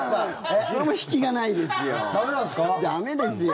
これも引きがないですよ。